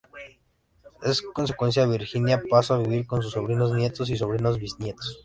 En consecuencia, Virginia pasó a vivir con sus sobrinos-nietos y sobrinos-bisnietos.